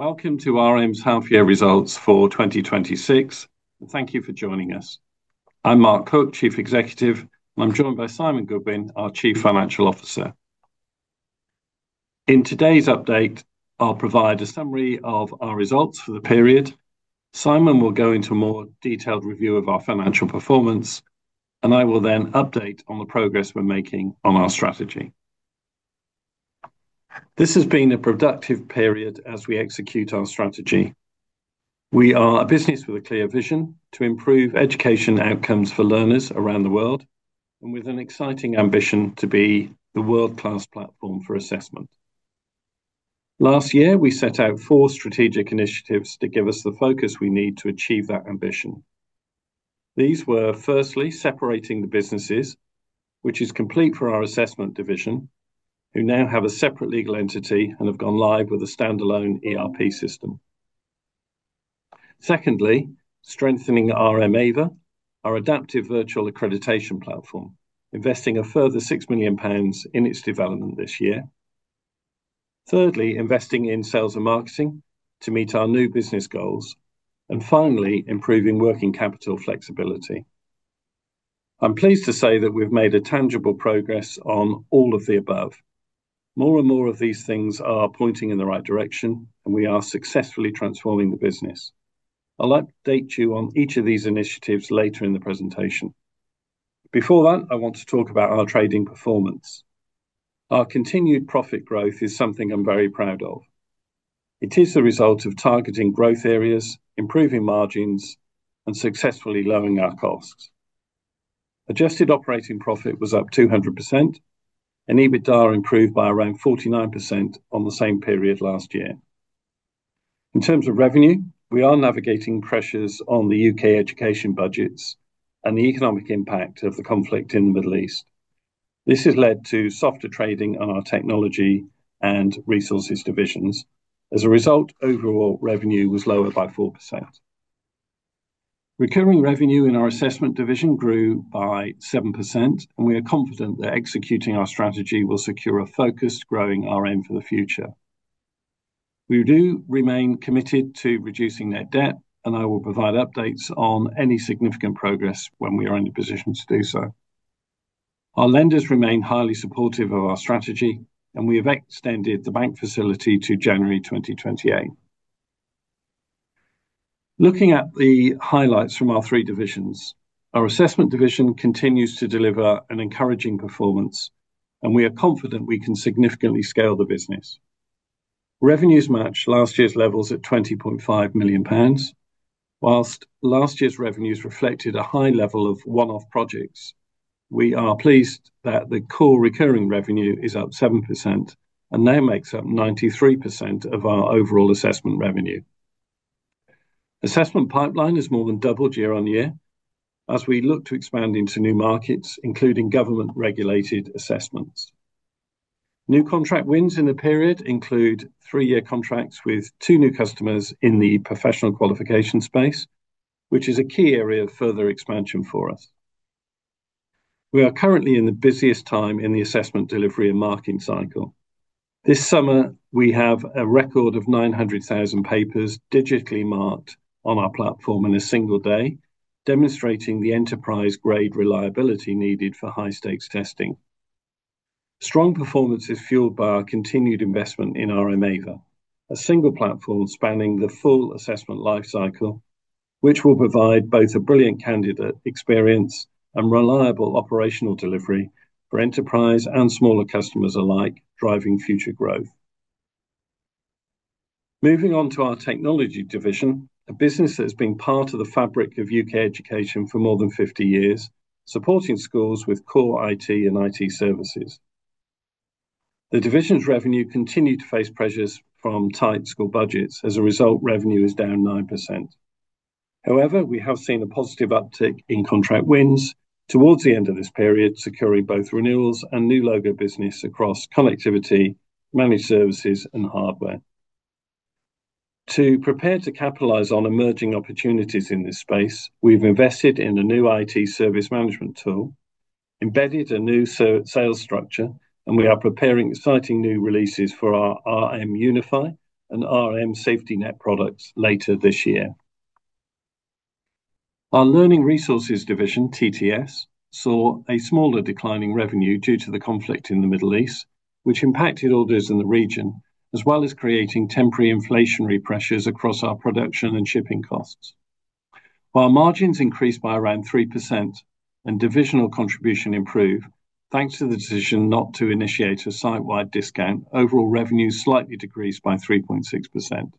Welcome to RM's half year results for 2026. Thank you for joining us. I'm Mark Cook, Chief Executive, and I'm joined by Simon Goodwin, our Chief Financial Officer. In today's update, I'll provide a summary of our results for the period. Simon will go into a more detailed review of our financial performance, and I will then update on the progress we're making on our strategy. This has been a productive period as we execute our strategy. We are a business with a clear vision to improve education outcomes for learners around the world, and with an exciting ambition to be the world-class platform for assessment. Last year, we set out four strategic initiatives to give us the focus we need to achieve that ambition. These were firstly, separating the businesses, which is complete for our assessment division, who now have a separate legal entity and have gone live with a standalone ERP system. Secondly, strengthening RM Ava, our adaptive virtual accreditation platform, investing a further 6 million pounds in its development this year. Thirdly, investing in sales and marketing to meet our new business goals. Finally, improving working capital flexibility. I'm pleased to say that we've made a tangible progress on all of the above. More and more of these things are pointing in the right direction, and we are successfully transforming the business. I'll update you on each of these initiatives later in the presentation. Before that, I want to talk about our trading performance. Our continued profit growth is something I'm very proud of. It is the result of targeting growth areas, improving margins, and successfully lowering our costs. Adjusted operating profit was up 200%. EBITDA improved by around 49% on the same period last year. In terms of revenue, we are navigating pressures on the U.K. education budgets and the economic impact of the conflict in the Middle East. This has led to softer trading on our technology and resources divisions. As a result, overall revenue was lower by 4%. Recurring revenue in our assessment division grew by 7%. We are confident that executing our strategy will secure a focused growing RM for the future. We do remain committed to reducing net debt. I will provide updates on any significant progress when we are in a position to do so. Our lenders remain highly supportive of our strategy. We have extended the bank facility to January 2028. Looking at the highlights from our three divisions, our assessment division continues to deliver an encouraging performance. We are confident we can significantly scale the business. Revenues match last year's levels at 20.5 million pounds. Whilst last year's revenues reflected a high level of one-off projects, we are pleased that the core recurring revenue is up 7%. Now makes up 93% of our overall assessment revenue. Assessment pipeline has more than doubled year on year as we look to expand into new markets, including government regulated assessments. New contract wins in the period include three-year contracts with two new customers in the professional qualification space, which is a key area of further expansion for us. We are currently in the busiest time in the assessment delivery and marking cycle. This summer, we have a record of 900,000 papers digitally marked on our platform in a single day, demonstrating the enterprise-grade reliability needed for high-stakes testing. Strong performance is fueled by our continued investment in RM Ava, a single platform spanning the full assessment life cycle, which will provide both a brilliant candidate experience and reliable operational delivery for enterprise and smaller customers alike, driving future growth. Moving on to our technology division, a business that's been part of the fabric of U.K. education for more than 50 years, supporting schools with core IT and IT services. The division's revenue continued to face pressures from tight school budgets. As a result, revenue is down 9%. However, we have seen a positive uptick in contract wins towards the end of this period, securing both renewals and new logo business across connectivity, managed services, and hardware. To prepare to capitalize on emerging opportunities in this space, we've invested in a new IT service management tool, embedded a new sales structure, and we are preparing exciting new releases for our RM Unify and RM SafetyNet products later this year. Our learning resources division, TTS, saw a smaller decline in revenue due to the conflict in the Middle East, which impacted orders in the region, as well as creating temporary inflationary pressures across our production and shipping costs. While margins increased by around 3% and divisional contribution improved, thanks to the decision not to initiate a site-wide discount, overall revenue slightly decreased by 3.6%.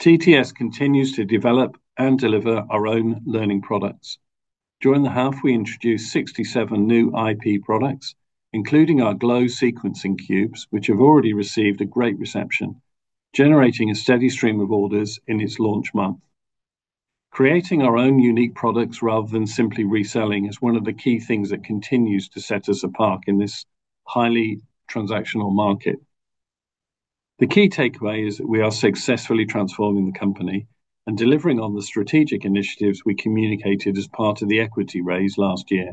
TTS continues to develop and deliver our own learning products. During the half, we introduced 67 new IP products, including our Glow Sequencing Cubes, which have already received a great reception, generating a steady stream of orders in its launch month. Creating our own unique products rather than simply reselling is one of the key things that continues to set us apart in this highly transactional market. The key takeaway is that we are successfully transforming the company and delivering on the strategic initiatives we communicated as part of the equity raise last year.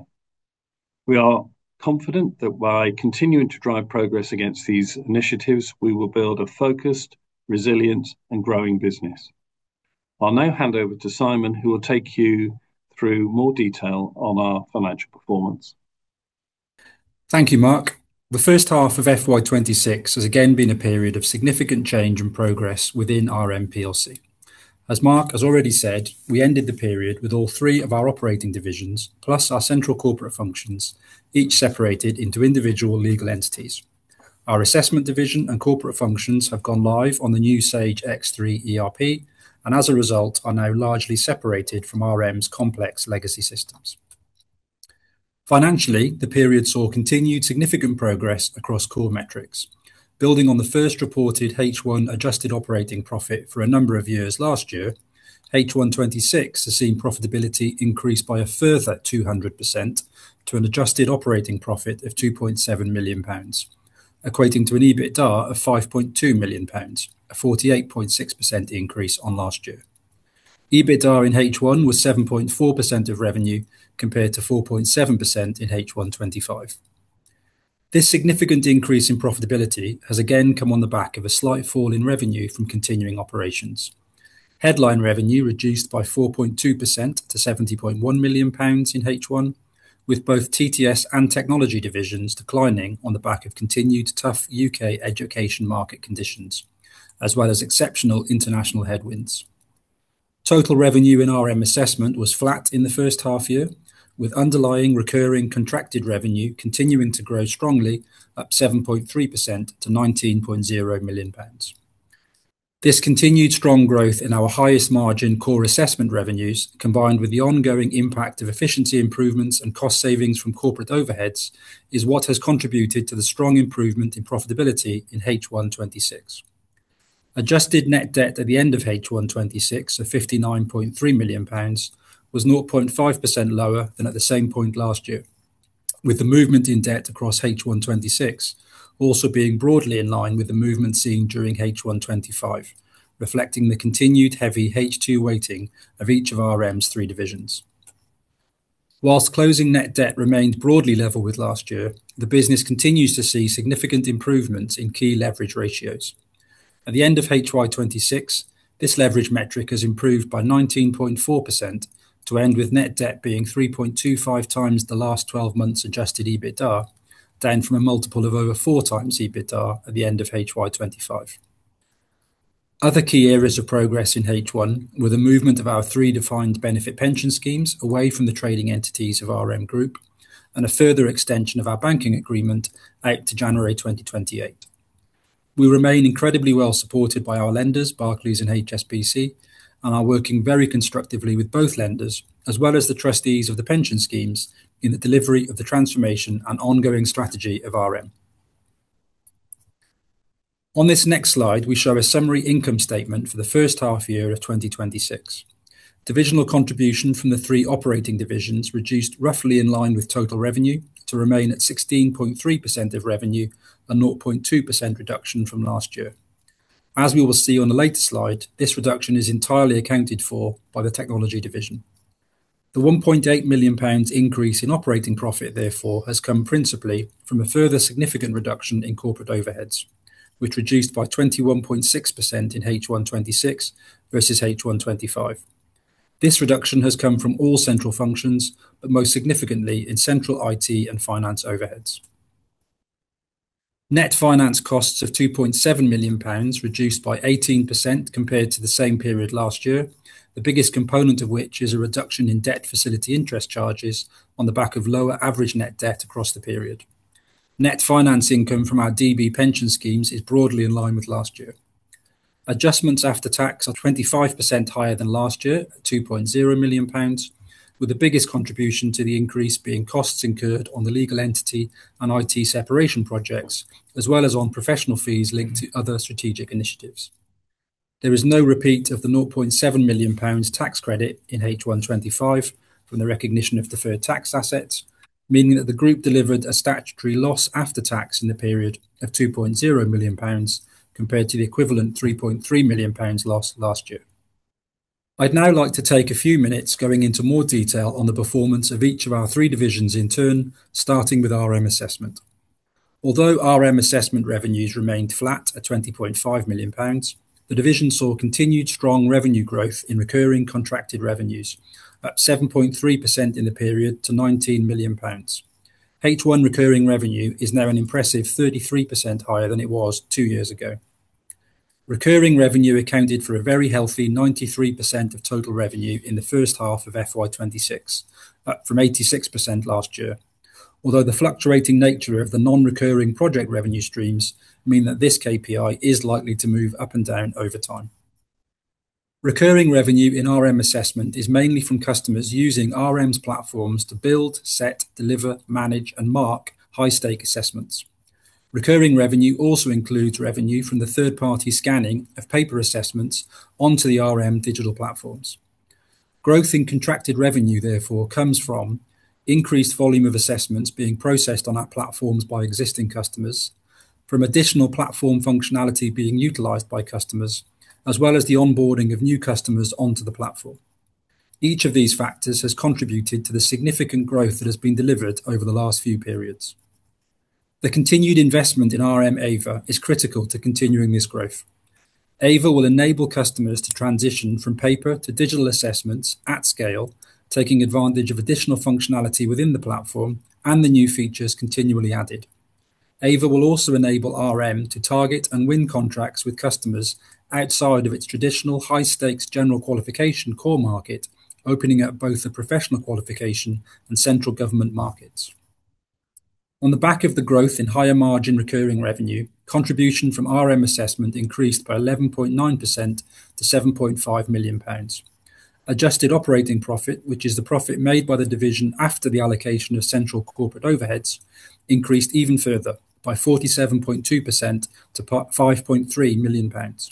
We are confident that by continuing to drive progress against these initiatives, we will build a focused, resilient, and growing business. I'll now hand over to Simon, who will take you through more detail on our financial performance. Thank you, Mark. The first half of FY 2026 has again been a period of significant change and progress within RM Plc. As Mark has already said, we ended the period with all three of our operating divisions, plus our central corporate functions, each separated into individual legal entities. Our assessment division and corporate functions have gone live on the new Sage X3 ERP, and as a result, are now largely separated from RM's complex legacy systems. Financially, the period saw continued significant progress across core metrics. Building on the first reported H1 adjusted operating profit for a number of years last year, H1 2026 has seen profitability increase by a further 200% to an adjusted operating profit of 2.7 million pounds, equating to an EBITDA of 5.2 million pounds, a 48.6% increase on last year. EBITDA in H1 was 7.4% of revenue compared to 4.7% in H1 2025. This significant increase in profitability has again come on the back of a slight fall in revenue from continuing operations. Headline revenue reduced by 4.2% to 70.1 million pounds in H1, with both TTS and technology divisions declining on the back of continued tough U.K. education market conditions, as well as exceptional international headwinds. Total revenue in RM Assessment was flat in the first half-year, with underlying recurring contracted revenue continuing to grow strongly, up 7.3% to 19.0 million pounds. This continued strong growth in our highest margin core assessment revenues, combined with the ongoing impact of efficiency improvements and cost savings from corporate overheads, is what has contributed to the strong improvement in profitability in H1 2026. Adjusted net debt at the end of H1 2026 of 59.3 million pounds was 0.5% lower than at the same point last year, with the movement in debt across H1 2026 also being broadly in line with the movement seen during H1 2025, reflecting the continued heavy H2 weighting of each of RM's three divisions. Whilst closing net debt remained broadly level with last year, the business continues to see significant improvements in key leverage ratios. At the end of FY 2026, this leverage metric has improved by 19.4% to end with net debt being 3.25x the last 12 months adjusted EBITDA, down from a multiple of over 4x EBITDA at the end of FY 2025. Other key areas of progress in H1 were the movement of our three defined benefit pension schemes away from the trading entities of RM Group and a further extension of our banking agreement out to January 2028. We remain incredibly well supported by our lenders, Barclays and HSBC, and are working very constructively with both lenders, as well as the trustees of the pension schemes in the delivery of the transformation and ongoing strategy of RM. On this next slide, we show a summary income statement for the first half-year of 2026. Divisional contribution from the three operating divisions reduced roughly in line with total revenue to remain at 16.3% of revenue, a 0.2% reduction from last year. As we will see on a later slide, this reduction is entirely accounted for by the technology division. The 1.8 million pounds increase in operating profit, therefore, has come principally from a further significant reduction in corporate overheads, which reduced by 21.6% in H1 2026 versus H1 2025. This reduction has come from all central functions, but most significantly in central IT and finance overheads. Net finance costs of 2.7 million pounds reduced by 18% compared to the same period last year, the biggest component of which is a reduction in debt facility interest charges on the back of lower average net debt across the period. Net finance income from our DB pension schemes is broadly in line with last year. Adjustments after tax are 25% higher than last year at 2.0 million pounds, with the biggest contribution to the increase being costs incurred on the legal entity and IT separation projects, as well as on professional fees linked to other strategic initiatives. There is no repeat of the 0.7 million pounds tax credit in H1 2025 from the recognition of deferred tax assets, meaning that the group delivered a statutory loss after tax in the period of 2.0 million pounds compared to the equivalent 3.3 million pounds lost last year. I'd now like to take a few minutes going into more detail on the performance of each of our three divisions in turn, starting with RM Assessment. Although RM Assessment revenues remained flat at 20.5 million pounds, the division saw continued strong revenue growth in recurring contracted revenues up 7.3% in the period to 19 million pounds. H1 recurring revenue is now an impressive 33% higher than it was two years ago. Recurring revenue accounted for a very healthy 93% of total revenue in the first half of FY 2026, up from 86% last year. Although the fluctuating nature of the non-recurring project revenue streams mean that this KPI is likely to move up and down over time. Recurring revenue in RM Assessment is mainly from customers using RM's platforms to build, set, deliver, manage, and mark high-stake assessments. Recurring revenue also includes revenue from the third-party scanning of paper assessments onto the RM digital platforms. Growth in contracted revenue, therefore, comes from increased volume of assessments being processed on our platforms by existing customers from additional platform functionality being utilized by customers, as well as the onboarding of new customers onto the platform. Each of these factors has contributed to the significant growth that has been delivered over the last few periods. The continued investment in RM Ava is critical to continuing this growth. Ava will enable customers to transition from paper to digital assessments at scale, taking advantage of additional functionality within the platform and the new features continually added. Ava will also enable RM to target and win contracts with customers outside of its traditional high-stakes general qualification core market, opening up both the professional qualification and central government markets. On the back of the growth in higher margin recurring revenue, contribution from RM Assessment increased by 11.9% to 7.5 million pounds. Adjusted operating profit, which is the profit made by the division after the allocation of central corporate overheads, increased even further by 47.2% to 5.3 million pounds.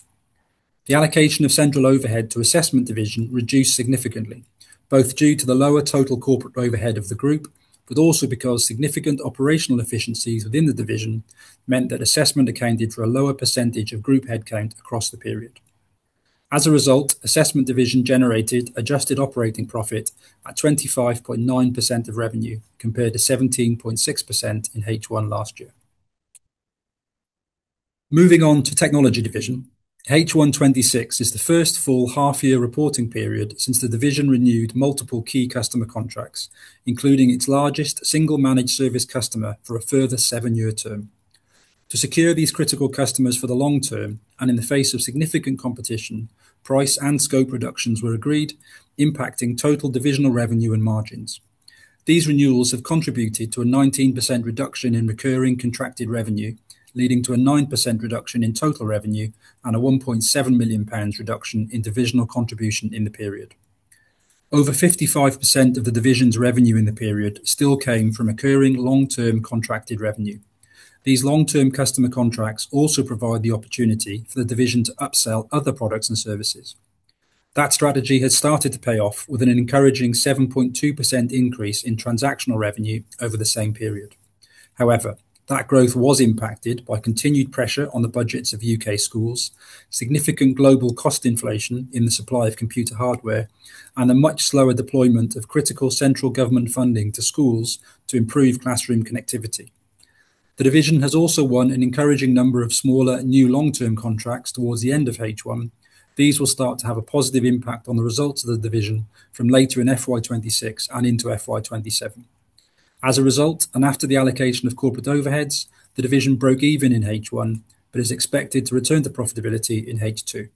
The allocation of central overhead to Assessment division reduced significantly, both due to the lower total corporate overhead of the group, but also because significant operational efficiencies within the division meant that Assessment accounted for a lower percentage of group headcount across the period. As a result, Assessment division generated adjusted operating profit at 25.9% of revenue compared to 17.6% in H1 last year. Moving on to Technology division. H1 2026 is the first full half-year reporting period since the division renewed multiple key customer contracts, including its largest single managed service customer for a further seven-year term. To secure these critical customers for the long term and in the face of significant competition, price and scope reductions were agreed, impacting total divisional revenue and margins. These renewals have contributed to a 19% reduction in recurring contracted revenue, leading to a 9% reduction in total revenue and a 1.7 million pounds reduction in divisional contribution in the period. Over 55% of the division's revenue in the period still came from occurring long-term contracted revenue. These long-term customer contracts also provide the opportunity for the division to upsell other products and services. That strategy has started to pay off with an encouraging 7.2% increase in transactional revenue over the same period. That growth was impacted by continued pressure on the budgets of U.K. schools, significant global cost inflation in the supply of computer hardware, and a much slower deployment of critical central government funding to schools to improve classroom connectivity. The division has also won an encouraging number of smaller new long-term contracts towards the end of H1. These will start to have a positive impact on the results of the division from later in FY 2026 and into FY 2027. As a result, and after the allocation of corporate overheads, the division broke even in H1 but is expected to return to profitability in H2.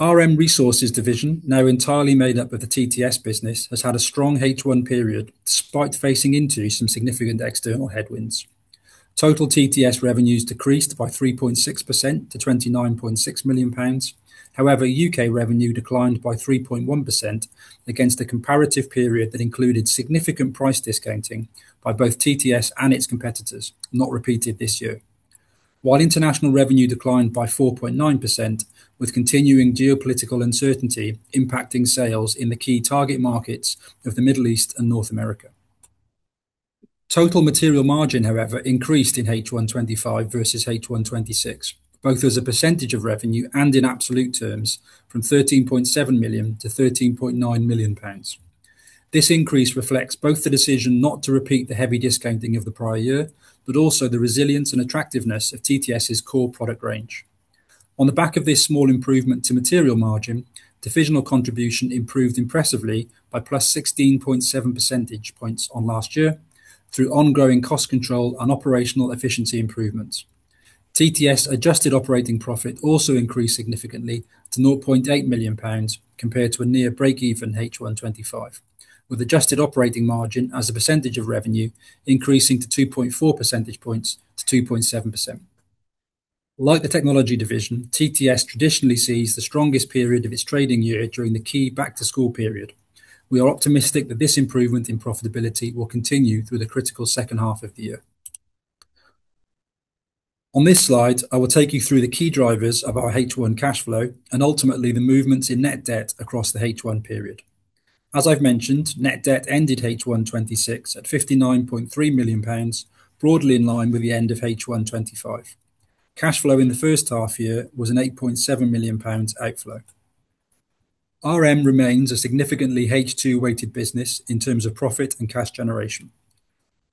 RM Resources division, now entirely made up of the TTS business, has had a strong H1 period despite facing into some significant external headwinds. Total TTS revenues decreased by 3.6% to 29.6 million pounds. U.K. revenue declined by 3.1% against a comparative period that included significant price discounting by both TTS and its competitors, not repeated this year. International revenue declined by 4.9% with continuing geopolitical uncertainty impacting sales in the key target markets of the Middle East and North America. Total material margin increased in H1 2025 versus H1 2026, both as a percentage of revenue and in absolute terms from 13.7 million to 13.9 million pounds. This increase reflects both the decision not to repeat the heavy discounting of the prior year, but also the resilience and attractiveness of TTS' core product range. On the back of this small improvement to material margin, divisional contribution improved impressively by +16.7 percentage points on last year through ongoing cost control and operational efficiency improvements. TTS adjusted operating profit also increased significantly to 0.8 million pounds compared to a near breakeven H1 2025, with adjusted operating margin as a percentage of revenue increasing to 2.4 percentage points to 2.7%. Like the Technology division, TTS traditionally sees the strongest period of its trading year during the key back-to-school period. We are optimistic that this improvement in profitability will continue through the critical second half of the year. On this slide, I will take you through the key drivers of our H1 cash flow and ultimately the movements in net debt across the H1 period. As I've mentioned, net debt ended H1 2026 at 59.3 million pounds, broadly in line with the end of H1 2025. Cash flow in the first half year was an 8.7 million pounds outflow. RM remains a significantly H2-weighted business in terms of profit and cash generation.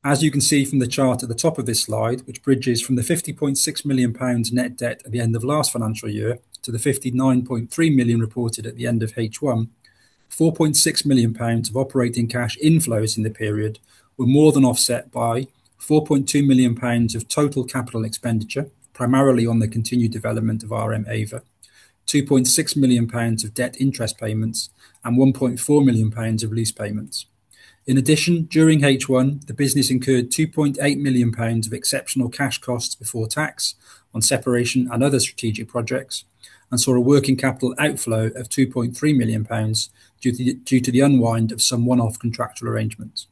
As you can see from the chart at the top of this slide, which bridges from the 50.6 million pounds net debt at the end of last financial year to the 59.3 million reported at the end of H1, 4.6 million pounds of operating cash inflows in the period were more than offset by 4.2 million pounds of total capital expenditure, primarily on the continued development of RM Ava. 2.6 million pounds of debt interest payments and 1.4 million pounds of lease payments. In addition, during H1, the business incurred 2.8 million pounds of exceptional cash costs before tax on separation and other strategic projects and saw a working capital outflow of 2.3 million pounds due to the unwind of some one-off contractual arrangements.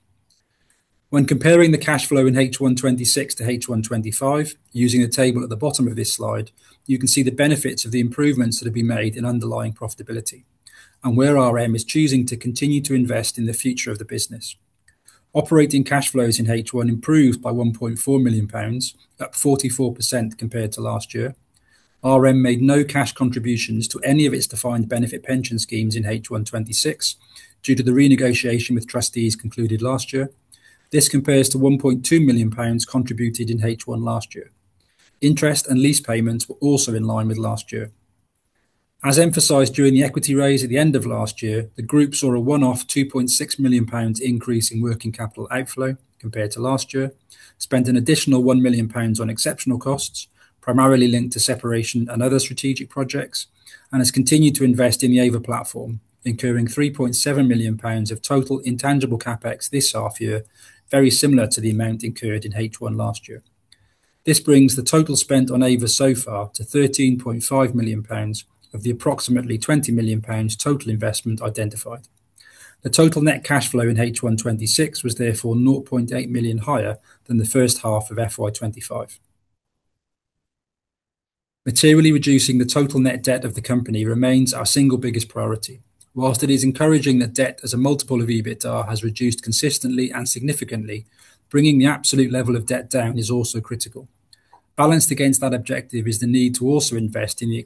When comparing the cash flow in H1 2026 to H1 2025, using the table at the bottom of this slide, you can see the benefits of the improvements that have been made in underlying profitability and where RM is choosing to continue to invest in the future of the business. Operating cash flows in H1 improved by 1.4 million pounds, up 44% compared to last year. RM made no cash contributions to any of its defined benefit pension schemes in H1 2026 due to the renegotiation with trustees concluded last year. This compares to 1.2 million pounds contributed in H1 last year. Interest and lease payments were also in line with last year. As emphasized during the equity raise at the end of last year, the group saw a one-off 2.6 million pounds increase in working capital outflow compared to last year, spent an additional 1 million pounds on exceptional costs, primarily linked to separation and other strategic projects, and has continued to invest in the Ava platform, incurring 3.7 million pounds of total intangible CapEx this half year, very similar to the amount incurred in H1 last year. This brings the total spent on Ava so far to 13.5 million pounds of the approximately 20 million pounds total investment identified. The total net cash flow in H1 2026 was therefore 0.8 million higher than the first half of FY 2025. Materially reducing the total net debt of the company remains our single biggest priority. Whilst it is encouraging that debt as a multiple of EBITDA has reduced consistently and significantly, bringing the absolute level of debt down is also critical. Balanced against that objective is the need to also invest in the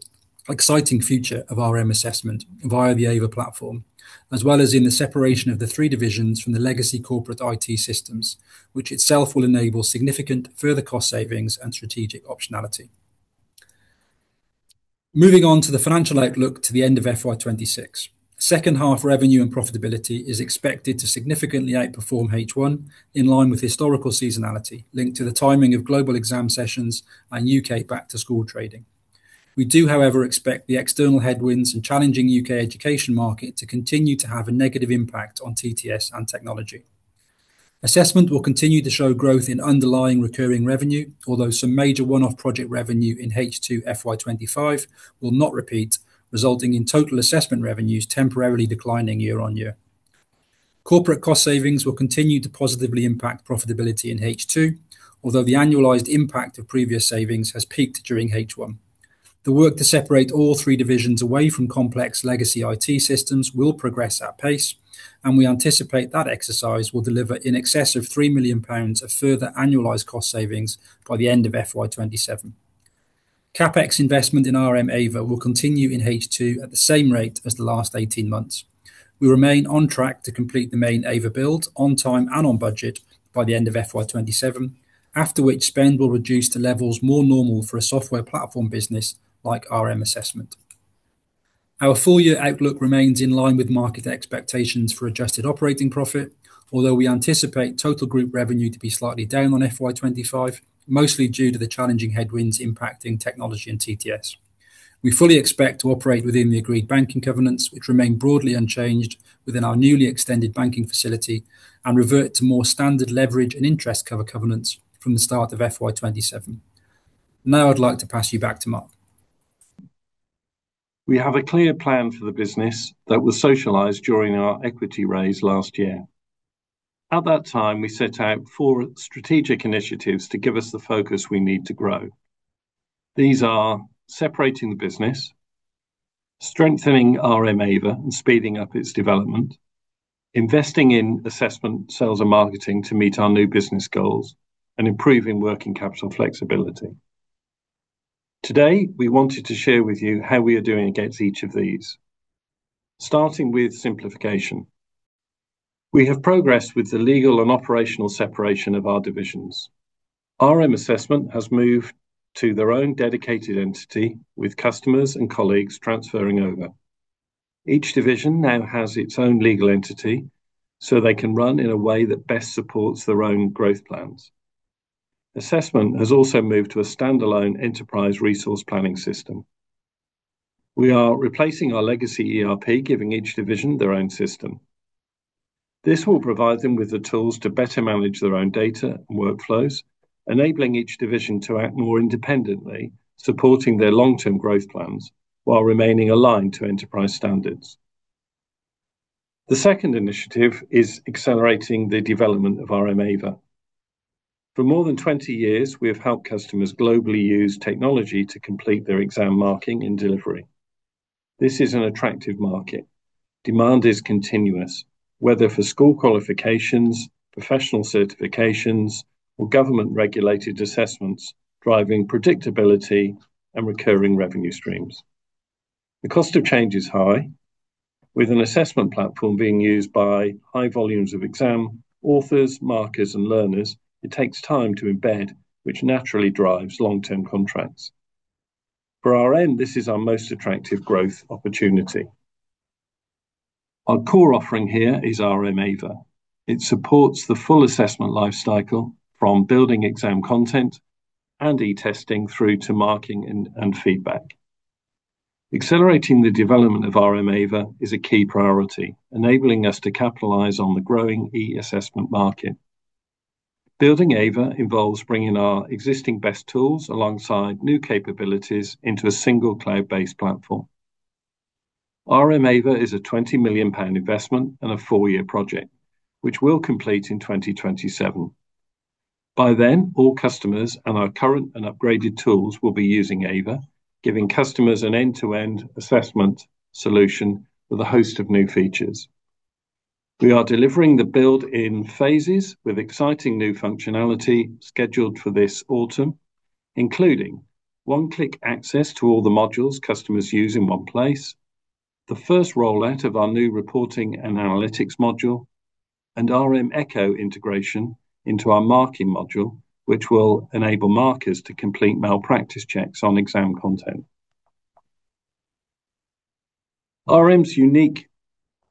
exciting future of RM Assessment via the Ava platform, as well as in the separation of the three divisions from the legacy corporate IT systems, which itself will enable significant further cost savings and strategic optionality. Moving on to the financial outlook to the end of FY 2026. Second half revenue and profitability is expected to significantly outperform H1, in line with historical seasonality linked to the timing of global exam sessions and U.K. back-to-school trading. We do, however, expect the external headwinds and challenging U.K. education market to continue to have a negative impact on TTS and technology. Assessment will continue to show growth in underlying recurring revenue, although some major one-off project revenue in H2 FY 2025 will not repeat, resulting in total assessment revenues temporarily declining year-over-year. Corporate cost savings will continue to positively impact profitability in H2, although the annualized impact of previous savings has peaked during H1. The work to separate all three divisions away from complex legacy IT systems will progress at pace. We anticipate that exercise will deliver in excess of 3 million pounds of further annualized cost savings by the end of FY 2027. CapEx investment in RM Ava will continue in H2 at the same rate as the last 18 months. We remain on track to complete the main Ava build on time and on budget by the end of FY 2027, after which spend will reduce to levels more normal for a software platform business like RM Assessment. Our full-year outlook remains in line with market expectations for adjusted operating profit. We anticipate total group revenue to be slightly down on FY 2025, mostly due to the challenging headwinds impacting technology and TTS. We fully expect to operate within the agreed banking covenants, which remain broadly unchanged within our newly extended banking facility and revert to more standard leverage and interest cover covenants from the start of FY 2027. I'd like to pass you back to Mark. We have a clear plan for the business that was socialized during our equity raise last year. At that time, we set out four strategic initiatives to give us the focus we need to grow. These are separating the business, strengthening RM Ava and speeding up its development, investing in assessment, sales, and marketing to meet our new business goals, and improving working capital flexibility. Today, we wanted to share with you how we are doing against each of these. Starting with simplification. We have progressed with the legal and operational separation of our divisions. RM Assessment has moved to their own dedicated entity, with customers and colleagues transferring over. Each division now has its own legal entity so they can run in a way that best supports their own growth plans. Assessment has also moved to a standalone enterprise resource planning system. We are replacing our legacy ERP, giving each division their own system. This will provide them with the tools to better manage their own data and workflows, enabling each division to act more independently, supporting their long-term growth plans while remaining aligned to enterprise standards. The second initiative is accelerating the development of RM Ava. For more than 20 years, we have helped customers globally use technology to complete their exam marking and delivery. This is an attractive market. Demand is continuous. Whether for school qualifications, professional certifications, or government-regulated assessments, driving predictability and recurring revenue streams. The cost of change is high. With an assessment platform being used by high volumes of exam authors, markers, and learners, it takes time to embed, which naturally drives long-term contracts. For RM, this is our most attractive growth opportunity. Our core offering here is RM Ava. It supports the full assessment life cycle from building exam content and e-testing through to marking and feedback. Accelerating the development of RM Ava is a key priority, enabling us to capitalize on the growing e-assessment market. Building Ava involves bringing our existing best tools alongside new capabilities into a single cloud-based platform. RM Ava is a 20 million pound investment and a four-year project, which we'll complete in 2027. By then, all customers and our current and upgraded tools will be using Ava, giving customers an end-to-end assessment solution with a host of new features. We are delivering the build in phases with exciting new functionality scheduled for this autumn, including one-click access to all the modules customers use in one place, the first rollout of our new reporting and analytics module, and RM Echo integration into our marking module, which will enable markers to complete malpractice checks on exam content. RM's unique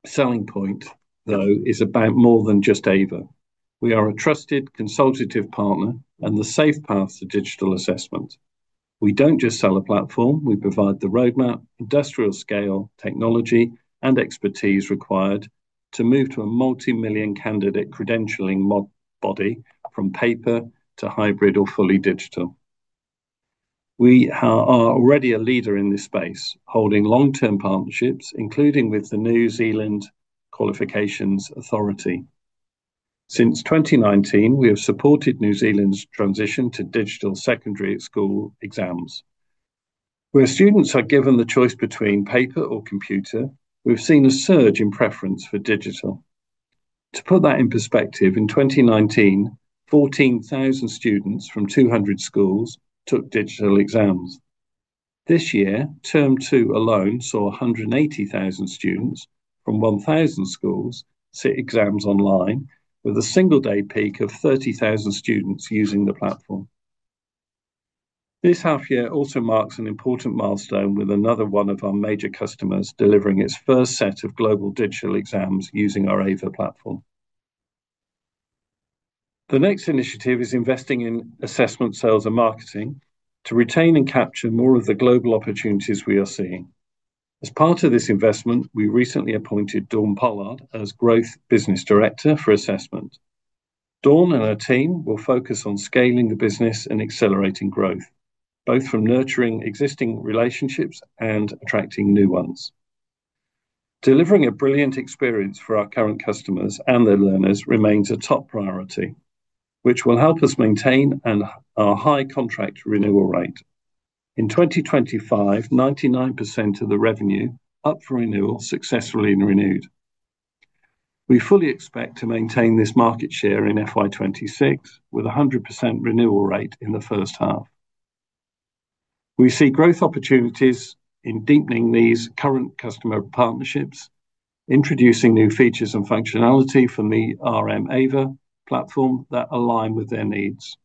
selling point, though, is about more than just Ava. We are a trusted consultative partner and the safe path to digital assessment. We don't just sell a platform, we provide the roadmap, industrial scale, technology, and expertise required to move to a multi-million candidate credentialing body from paper to hybrid or fully digital. We are already a leader in this space, holding long-term partnerships, including with the New Zealand Qualifications Authority. Since 2019, we have supported New Zealand's transition to digital secondary school exams. Where students are given the choice between paper or computer, we've seen a surge in preference for digital. To put that in perspective, in 2019, 14,000 students from 200 schools took digital exams. This year, term two alone saw 180,000 students from 1,000 schools sit exams online with a single day peak of 30,000 students using the platform. This half year also marks an important milestone with another one of our major customers delivering its first set of global digital exams using our Ava platform. The next initiative is investing in assessment sales and marketing to retain and capture more of the global opportunities we are seeing. As part of this investment, we recently appointed Dawn Pollard as Growth Business Director for assessment. Dawn and her team will focus on scaling the business and accelerating growth, both from nurturing existing relationships and attracting new ones. Delivering a brilliant experience for our current customers and their learners remains a top priority, which will help us maintain our high contract renewal rate. In 2025, 99% of the revenue up for renewal successfully renewed. We fully expect to maintain this market share in FY 2026 with 100% renewal rate in the first half. We see growth opportunities in deepening these current customer partnerships, introducing new features and functionality from the RM Ava platform that align with their needs.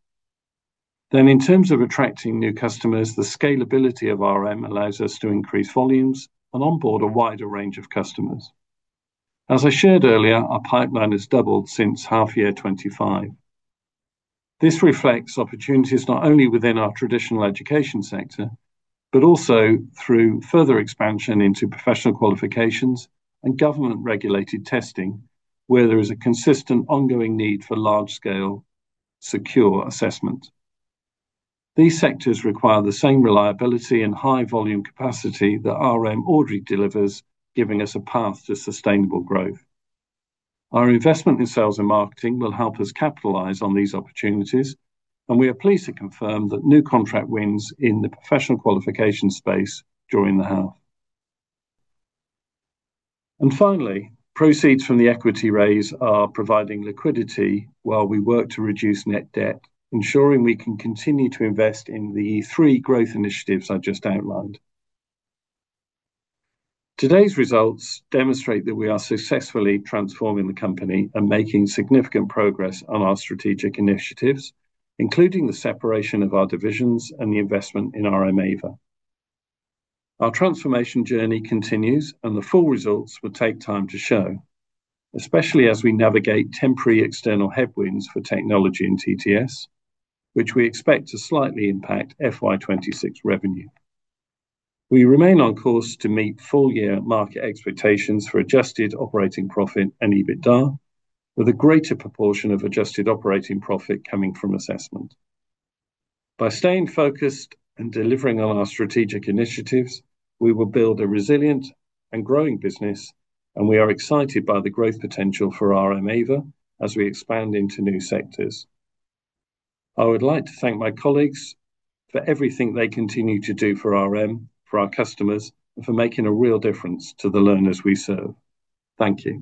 In terms of attracting new customers, the scalability of RM allows us to increase volumes and onboard a wider range of customers. As I shared earlier, our pipeline has doubled since half year 2025. This reflects opportunities not only within our traditional education sector, but also through further expansion into professional qualifications and government-regulated testing, where there is a consistent, ongoing need for large-scale, secure assessment. These sectors require the same reliability and high volume capacity that RM Ava delivers, giving us a path to sustainable growth. Our investment in sales and marketing will help us capitalize on these opportunities. We are pleased to confirm that new contract wins in the professional qualification space during the half. Finally, proceeds from the equity raise are providing liquidity while we work to reduce net debt, ensuring we can continue to invest in the three growth initiatives I just outlined. Today's results demonstrate that we are successfully transforming the company and making significant progress on our strategic initiatives, including the separation of our divisions and the investment in RM Ava. Our transformation journey continues. The full results will take time to show, especially as we navigate temporary external headwinds for technology and TTS, which we expect to slightly impact FY 2026 revenue. We remain on course to meet full-year market expectations for adjusted operating profit and EBITDA, with a greater proportion of adjusted operating profit coming from assessment. By staying focused and delivering on our strategic initiatives, we will build a resilient and growing business. We are excited by the growth potential for RM Ava as we expand into new sectors. I would like to thank my colleagues for everything they continue to do for RM, for our customers, and for making a real difference to the learners we serve. Thank you